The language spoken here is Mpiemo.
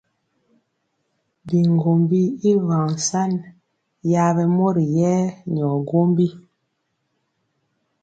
Biŋgombi i vaŋ san, yaɓɛ mori yɛ nyɔ gwombi.